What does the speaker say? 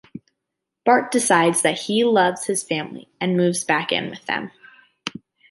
Bart decides that he loves his family, and moves back in with them.